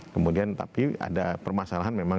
kemudian tapi ada permasalahan memang